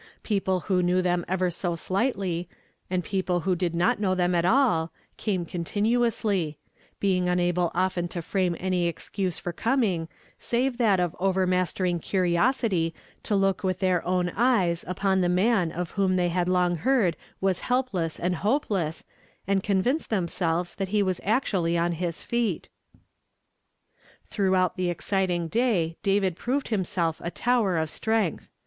People who knew them ever so slightly, cand people who did not know them at all, came continuously; being unable often to frame any excuse for com ing, save that of overmastering curiosity to look with their own eyes upon the man of whom they had long heard as helpless and hopeless, and con vince themselves that he was actually on his feet. Throughout the exciting day David proved him self a tower of strength.